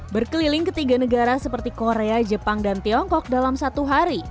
berkeliling ketiga negara seperti korea jepang dan tiongkok dalam satu hari